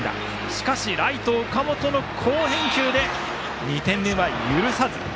しかしライト、岡本の好返球で２点目は許さず。